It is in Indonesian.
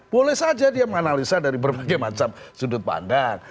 boleh saja dia menganalisa dari berbagai macam sudut pandang